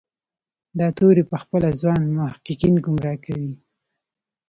دا توری پخپله ځوان محققین ګمراه کوي.